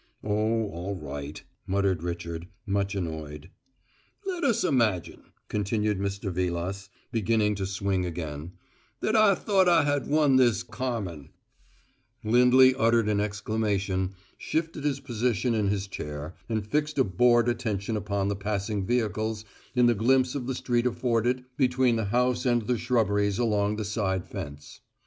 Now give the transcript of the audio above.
"Oh, all right," muttered Richard, much annoyed. "Let us imagine," continued Mr. Vilas, beginning to swing again, "that I thought I had won this Carmen " Lindley uttered an exclamation, shifted his position in his chair, and fixed a bored attention upon the passing vehicles in the glimpse of the street afforded between the house and the shrubberies along the side fence.